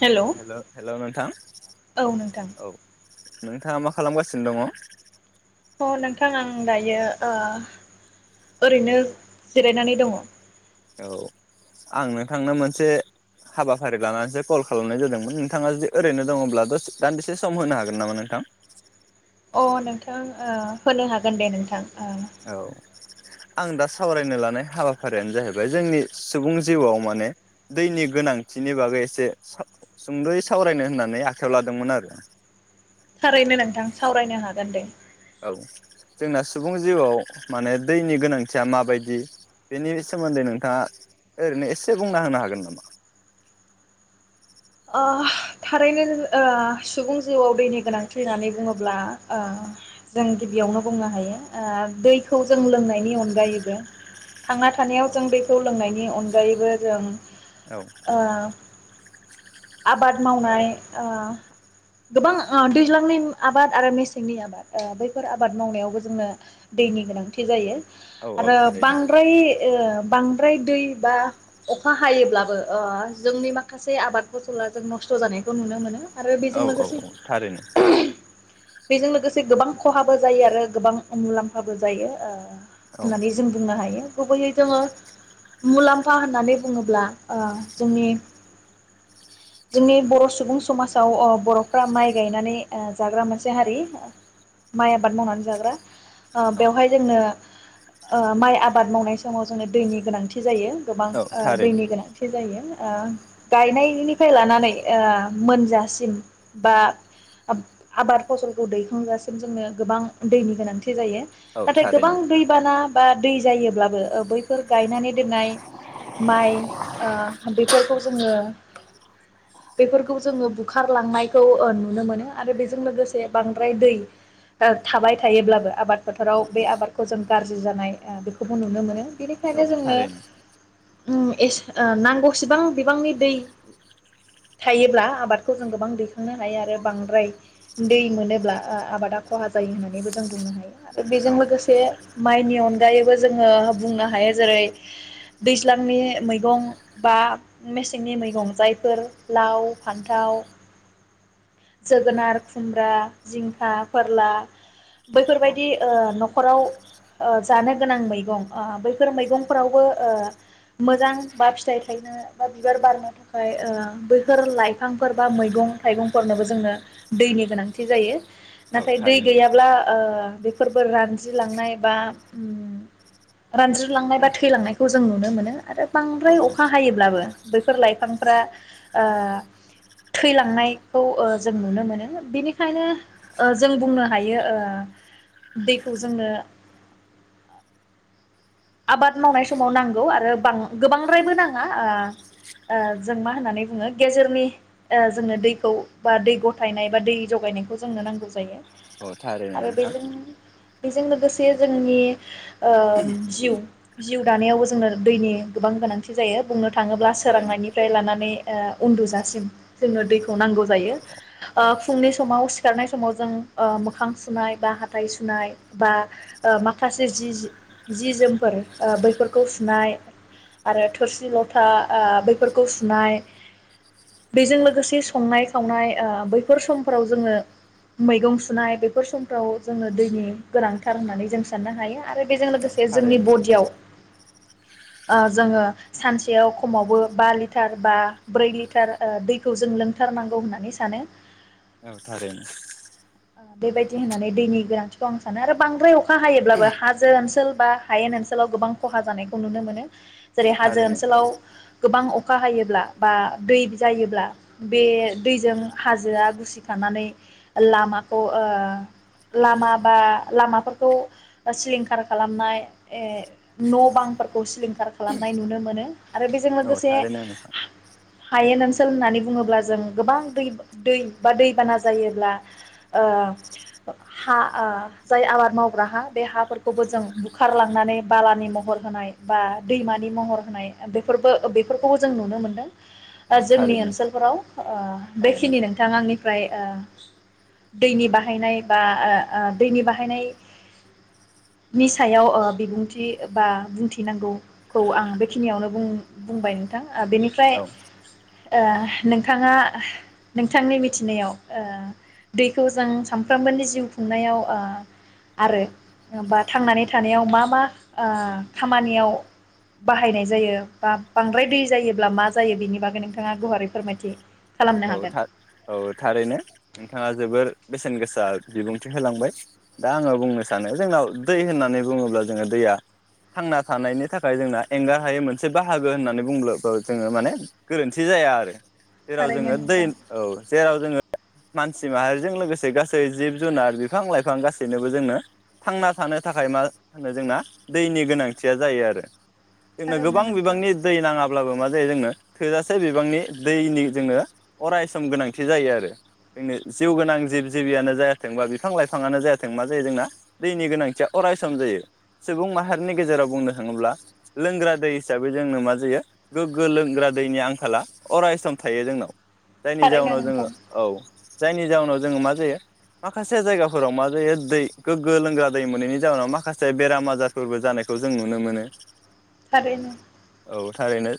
हेल' औ hello hello नोंथां नोंथां औ नोंथाङा मा खालामगासिनो दङ? अ नोंथां आं दायो ओरैनो जिरायनानै दङ औ आं नोंथांनो मोनसे हाबाफारि लानानैसो कल खालामनाय जादोंमोन नोंथाङा जुदि ओरैनो दङब्ला दसे दान्दिसे सम होनो हागोन नामा नोंथां? अ नोंथां ओ होनो हागोन दे नोंथां ओ औ आं दा सावरायनो लानाय हाबाफारियानो जाहैबाय जोंनि सुबुं जिउआव माने दैनि गोनांथिनि बागै एसे सा सुंदयै सावरायनो होननानै आखायाव लादोंमोन आरो थारैनो नोंथां सावरायनो हागोन दे औ जोंना सुबुं जिउआव माने दैनि गोनांथिया माबायदि बेनि सोमोन्दै नोंथाङा ओरैनो एसे बुंना होनो हागोन आ थारैनो आ सुबुं जिउआव दैनि गोनांथि होननानै बुङोब्ला ओ जों गिबियावनो बुंनो हायो ओ दैखौ जों लोंनायनि अनगायैबो थांना औ थानायाव जों बेखौ लोंनायनि अन गायैबो जों औ ओ आबाद मावनाय ओ गोबां आ दैज्लांनि आबाद आरो मेसेंनि आबाद आ बैफोर आबाद मावनायावबो जोंनो दैनि गोनांथि जायो औ औ आरो थारैनो बांद्राय ओ बांद्राय दै बा अखा हायोब्लाबो ओ जोंनि माखासे आबाद फसला जों नस्थ जानाय खौ नुनो मोनो आरो औ बेजों औ लोगोसे औ थारैनो बेजों लोगोसे गोबां खहाबो जायो आरो गोबां मुलाम्फाबो जायो ओ औ होननानै जों बुंनो हायो गुबैयै औ जोङो मुलाम्फा होननानै बुङोब्ला ओ जोंनि जोंनि बर सुबुं समाजाव ओ बरफ्रा माइ गायनानै ओ जाग्रा मोनसे हारि माइ आबाद मावनानै जाग्रा ओ औ बेवहाय जोंनो ओ माइ आबाद मावनाय समाव जोंनो दैनि गोनांथि जायो गोबां औ ओ थारैनो दैनि गोनांथि जायो ओ गायनाय निफ्राय लानानै ओ मोनजासिम बा आब-आबाद फसलखौ दैखांजासिम जोंनो गोबां दैनि गोनांथि थि जायो औ नाथाय गोबां थारैनो दैबाना बा दै जायोब्लाबो ओ बैफोर गायनानै दोननाय माइ ओ बेफोरखौ जोङो बेफोरखौ जोङो बुखारलांनायखौ ओ नुनो मोनो आरो बेजों लोगोसे बांद्राय दै ओ थाबाय थायोब्लाबो आबाद फोथाराव बे आबादखौ जों गारजि जानाय ओ बेखौबो नुनो मोनो। औ बेनिखायनो जोंनो थारैनो उम एस ओ नांगौसेबां बिबांनि दै थायोब्ला आबादखौ जों गोबां दैखांनो हायो आरो बांद्राय दै मोनोब्ला ओ आबादा खहा जायो होननानैबो जों बुंनो हायो। ओ औ बेजों लोगोसे माइनि अनगायैबो जोङो बुंनो हायो जेरै दैज्लांनि मैगं बा मेसेंनि मैगं जाय फोर लाव, फान्थाव, जोगोनार, खुमब्रा, जिंखा, फोरला औ बैफोरबायदि ओ नख खराव ओ जानो गोनां मैगं ओ बैफोर मैगंफोरावबो ओ मोजां बा फिथाइ थायनो बा बिबार बारनो थाखाय ओ बैफोर लाइफांफोर बा मैगं थाइगंफोरनोबो जोंनो दैनि गोनांथि जायो। औ नाथाय दै थारैनो गैयाब्ला ओ बेफोरबो रानज्रिलांनाय बा उम रानज्रिलांनाय बा थैलांनायखौ जों नुनो मोनो आरो औ बांद्राय अखा हायोब्लाबो बैफोर लायफां फ्रा ओ थैलांनायखौ ओ जों नुनो मोनो बिनिखायनो ओ जों बुंनो हायो ओ दैखौ जोंनो आबाद मावनाय समाव नांगौ आरो बां गोबांद्रायबो नाङा ओ ओ जों मा होननानै बुङो गेजेरनि ओ जोंनो दैखौ बा दै गथायनाय बा दै जगायनायखौ जोंनो नांगौ जायो। अ थारो आरो नोंथां। बेजों बेजों लोगोसे जोंनि ओम जिउ जिउ दानायावबो जोंनो दैनि गोबां गोनांथि जायो बुंनो औ थाङोब्ला थारैनो सोरांनायनिफ्राय लानानै ओ उन्दुजासिम जोंनो दैखौ नांगौ औ जायो औ ओ फुंनि समाव सिखारनाय समाव जों ओ मोखां सुनाय बा हाथाय सुनाय बा ओ माखासे जि-जि जि जोमफोर ओ बैफोरखौ सुनाय आरो थोरसि लथा ओ बैफोरखौ सुनाय बेजों औ लोगोसे संनाय खावनाय ओ बैफोर समफोराव जोङो मैगं सुनाय बेैफोर समफ्राव जोङो दैनि गोनांथार होननानै जों साननो हायो आरो बेजों लोगो औ बे जोंनि थारैनो बडियाव ओ जोङो सानसेयाव खमावबो बा लिटार बा ब्रै लिटार ओ दैखौ जों लोंथारनांगौ होननानै सानो। औ थारैनो। बेबायदि होननानै दैनि गोनांथिखौ आं सानो आरो बांद्राय अखा हायोब्लाबो हाजो ओनसोल बा हायेन ओनसोलाव गोबां खहा जानायखौ नुनो मोनो। औ थारैनो औ जेरै हाजो ओनसोलाव गोबां अखा हायोब्ला बा दै जायोब्ला बे दैजों हाजोआ गुसिखानानै लामा ख ओ लामा बा लामाफोरखौ ओ सिलिंखार खालामनाय ए न' बांफोरखौ सिलिंखार खालामनाय नुनो मोनो आरो बेस जों लोगोसे थारैनो नोंथां हा हायेन ओनसोल होननानै बुङोब्ला जों गोबां दै दै बा दैबाना जायोब्ला ओ हा ओ जाय आबाद मावग्रा हा बे हाफोरखौबो जों बुखारलांनानै बालानि महर होनाय बा दैमानि महर होनाय बेफोरबो बेफोरखौबो जों नुनो मोनदों। औ ओ जोंनि थारैनो ओनसोलफोराव ओ थारैनो बेखिनि नोंथाङा आंनिफ्राय ओ दैनि बाहायनाय बा ओ ओ दैनि बाहाय नि सायाव ओ बिबुंथि बा बुंथिनांगौखौ आं बेखिनियावनो बुं बुंबाय नोंथां। आ बेनिफ्राय औ ओ नोंथाङा नोंथांनि मिथिनायाव ओ दैखौ जों सानफ्रोमबोनि जिउ खुंनायाव ओ आरो बा थांनानै थानायाव मा मा ओ खामानियाव बाहायनाय जायो बा बांद्राय दै जायोब्ला मा जायो बेनि बागै नोंथाङा गुवारै फोरमायथि खालामनो औ हागोन। था औ थारैनो नोंथाङा जोबोर बेसेन गोसा बिबुंथि होलांबाय दा आङो बुंनो सानो जोंनाव दै होननानै बुङोब्ला जोङो दैया थांना थानायनि थाखाय जोंना एंगार हायै मोनसे बाहागो होननानै बुंब्लाबो जोङो माने गोरोन्थि जाया आरो जेराव थारैनो जोङो दै नोंथां औ जेराव जोङो मानसि माहारिजों लोगोसे गासै जिब जुनार बिफां लाइफां गासैनोबो जोंनो थांना थानो थाखाय मा होनो जोंना दैनि गोनांथिया जायो आरो जोंनो थारैनो गोबां नोंथां। बिबांनि दै नाङाब्लाबो मा जायो जोंनो थोजासे बिबांनि दैनि जोंनो अरायसम गोनांथि जायो आरो जोंनो जिउ गोनां जिब जिबियानो जायाथों बा बिफां लाइफाङानो जायाथों मा जायो जोंना दैनि गोनांथिया अरायसम जायो सुबुं माहारिनि गेजेराव बुंनो थाङोब्ला लोंग्रा दै हिसाबै जोंनो मा जायो गोग्गो लोंग्रा दैनि आंखाला अरायसम थायो जोंनाव। जायनि थारैनो जाहोनाव जोङो नोंथां औ जायनि जाउनाव जोङो मा जायो माखासे जायगाफोराव मा जायो दै गोग्गो लोंग्रा दै मोनैनि जाउनाव माखासे बेराम आजारफोरबो जानायखौ जों नुनो मोनो। थारैनो औ थारैनो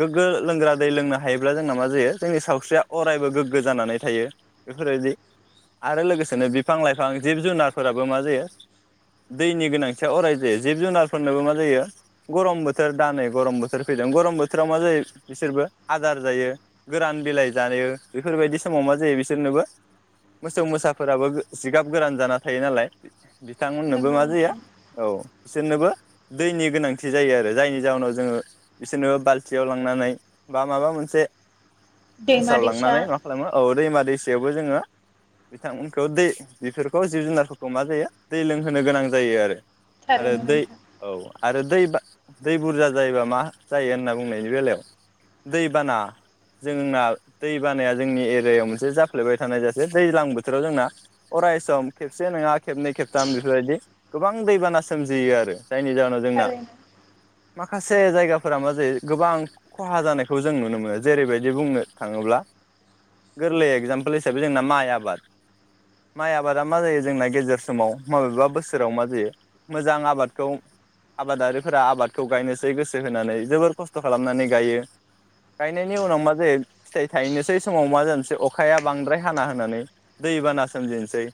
गोग्गो लोंग्रा दै लोंनो हायोब्ला जोंना मा जायो जोंनि सावस्रिया अरायबो गोग्गो जानानै थायो बेफोरबायदि आरो लोगोसेनो बिफां लाइफां जिब जुनारफोराबो मा जायो दैनि गोनांथिया अराय जायो जिब जुनारफोरनोबो मा जायो गरम बोथोर दानै गरम बोथोर फैदों गरम बोथोराव मा जायो बिसोरबो आदार जायो। गोरान बिलाइ जायो बेफोरबायदि समाव मा जायो बिसोरनोबो मोसौ मोसाफोराबो जिगाब गोरान जाना थायो नालाय बिथांमोननोबो नंगौ मा जयो नोंथां। औ बिसोरनोबो दैनि गोनांथि जायो आरो जायनि जाहोनाव जोङो बिसोरनोबो बाल्थियाव लांनानै बा माबा मोनसे दैमा हासाव दैसा लांनानै मा खालामो औ दैमा दै सायावबो जोङो बिथांमोनखौ दै बेफोरखौ जिब जुनारफोरखौ मा जायो दै लोंहोनो गोनां जायो आरो आरो थारैनो दै नोंथां औ आरो दै बा दै बुरजा जायोबा मा जायो होनना बुंनायनि बेलायाव दै बाना जोंना दैबानाया जोंनि एरियायाव मोनसे जाफ्लेबाय थानाय जासे दैज्लां बोथोराव जोंना अरायसम खेबसे नङा खेबनै खेबथाम बेफोरबायदि गोबां दैबाना सोमजियो आरो जायनि जाहोनाव जोंना थारैनो माखासे जायगाफोरा मा जायो गोबां खहा जानायखौ जों नुनो मोनो। जेरैबायदि बुंनो थाङोब्ला गोरलै एक्जामपोल हिसाबै जोंना माइ आबाद माइ आबादा मा जायो जोंना गेजेर समाव माबेबा बोसोराव मा जायो मोजां आबादखौ आबादारिफोरा आबादखौ गायनोसै गोसो होनानै जोबोर खस्थ खालामनानै गायो। गायनायनि उनाव मा जायो फिथाइ थाहैनोसै समाव मा जानोसै अखाया बांद्राय हाना होनानै दै बाना सोमजिनोसै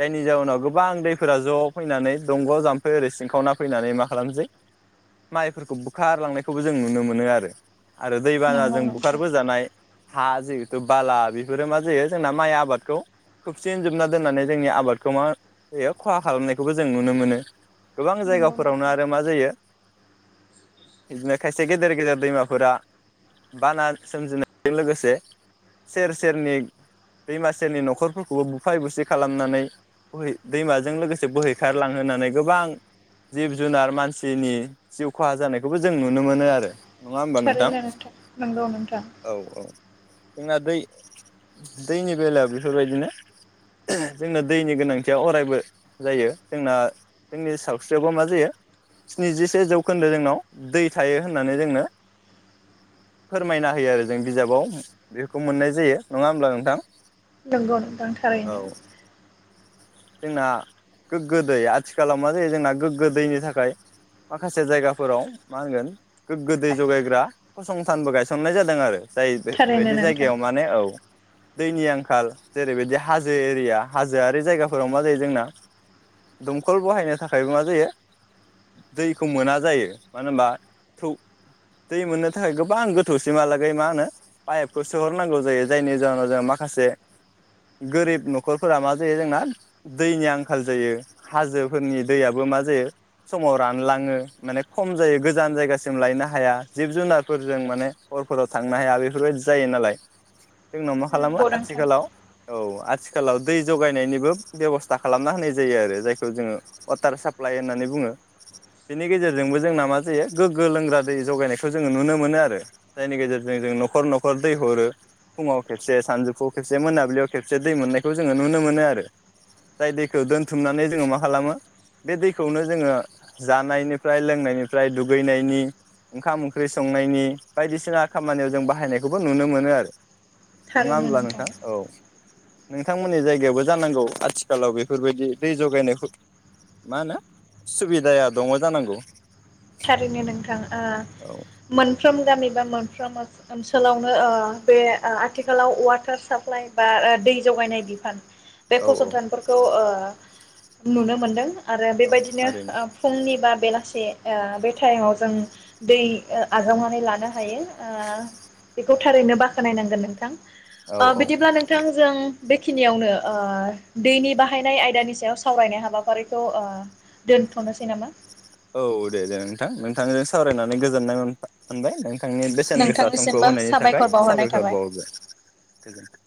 जायनि जाउनाव गोबां दैफोरा ज फैनानै दंग जाम्फै ओरै सिंखावना फैनानै मा खालामनोसै माइफोरखौ बुखारलांनायखौबो जों नुनो मोनो आरो आरो दैबाना नंगौ जों बुखार नोंथां बोजानाय हा जिहेथु बाला बेफोरो मा जायो जोंना माइ आबादखौ खोबसिन जोबना दोननानै जोंनि आबादखौ मा जायो खहा खालामनायखौबो जों नुनो मोनो। गोबां नंगौ जायगाफोरावनो नोंथां आरो मा जायो इदिनो खायसे गेदेर गेदेर दैमाफोरा बाना सोमजिनायजों लोगोसे सेर सेरनि दैमा सेरनि नखरफोरखौबो बुफाय बुसि खालामनानै बोहै दैमाजों लोगोसे बोहैखारलांहोनानै गोबां जिब जुनार मानसिनि जिउ खहा जानायखौबो जों नुनो मोनो आरो नङा होमबा नोंथां? नंगौ नोंथां। औ औ जोंना दै दैनि बेलायाव बेफोरबायदिनो जोंनो दैनि गोनांथिया अरायबो जायो जोंना जोंनि सावस्रिआवबो मा जायो स्निजिसे जौखोन्दो जोंनाव दै थायो होननानै जोंनो फोरमायना होयो आरो जों बिजाबाव बेखौ मोननाय जायो। नङा होमब्ला नोंथां? नंगौ नोंथां औ थारैनो। जोंना गोग्गो दै आथिखालाव मा जायो जोंना गोग्गो दैनि थाखाय माखासे जायगाफोराव मा होनगोन गोग्गो दै जगायग्रा फसं थानबो गायसननाय जादों आरो। जाय बे थारैनो बेदि नोंथां जायगायाव माने औ दैनि आंखाल जेरैबायदि हाजो एरिया हाजोआरि जायगाफोराव मा जायो जोंना दमखल बहायनो थाखायबो मा जायो दैखौ मोना जायो मानो होनबा थौ दै मोननो थाखाय गो गोबां गोथौसिमहालागै मा होनो पाइपखौ सोहरनांगौ जायो जायनि जाहोनाव जों माखासे गोरिब न'खरफोरा मा जायो जोंना दैनि आंखाल जायो हाजोफोरनि दैयाबबो मा जायो समाव रानलाङो माने खम जायो गोजान जायगासिम लायनो हाया जिब जुनार फोरजों माने हरफोराव थांनो हाया बेफोरबायदि जायो नालाय। जोंनाव मा खालामो नंगौ नोंथां आथिखालाव औ आथिखालाव दै जगायनायनिबो बेबस्था खालामना होनाय जायो आरो जायखौ जोङो वाटार साप्लाइ होननानै बुङो बेनि गेजेरजोंबो जोंना मा जायो गोग्गो लोंग्रा दै जगायनायखौ जोङो नुनो मोनो। मोनो आरो जायनि गेजेरजों जों नखर नखर दै हरो फुङाव खेबसे सानजौफुआव खेबसे मोनाबिलियाव खेबसे दै मोननायखौ जोङो नुनो मोनो आरो जाय दैखौ दोनथुमनानै जोङो मा खालामो बे दैखौनो जोङो जानायनिफ्राय लोंनायनिफ्राय दुगैनायनि ओंखाम ओंख्रि स संनायनि बायदिसिना खामानियाव जों बाहायनायखौबो नुनो मोनो आरो। नङा होनब्ला नोंथां औ नोंथांमोननि जायगायावो जानांगौ आथिखालाव बेफोरबायदि दै जगायनायखौ मा होनो सुबिदाया दंङ जानांगौ? थारैनो नोंथां ओ औ मोन फ्रोम गामि बा मोनफ्रोम ओनसोलावनो ओ बे आथिखालाव वाटार साप्लाइ बा दै जगायनाय बिफान बे औ औ फसंथानफोरखौ ओ ओ नुनो मोनदों। आरो औ बेबायदिनो थारैनो ओ फुंनि बा बेलासे ओ बे टाइमाव जों दै आजावनानै लानो हायो ओ बेखौ थारैनो बाख्नायनांगोन औ नोंथां। औ बिदिब्ला नोंथां जों बेखिनियावनो ओ दैनि बाहायनाय आयदानि सायाव सावरायनाय हाबाफारिखौ ओ दोन्थनोसै नामा? औ दे दे नोंथां नोंथांजों सावरायनानै गोजोननाय मोनबाय नों थांनि बेसेन गोसा समखौ नोंथांनिसिमबो होनायनि थाखाय साबायखर बावहरनाय साबायखर थाबाय। बावहरबाय गोजोनथों।